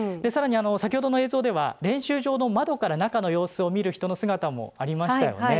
先ほどの映像では練習場の窓から中の様子を見る人の姿もありましたね。